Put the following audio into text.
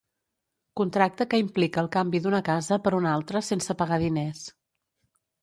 Contracte que implica el canvi d'una casa per una altra sense pagar diners.